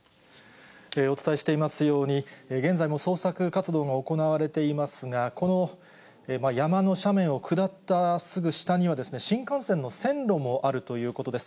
お伝えしていますように、現在も捜索活動が行われていますが、この山の斜面を下ったすぐ下には、新幹線の線路もあるということです。